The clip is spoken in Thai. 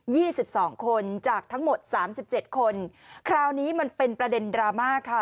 ี่สิบสองคนจากทั้งหมดสามสิบเจ็ดคนคราวนี้มันเป็นประเด็นดราม่าค่ะ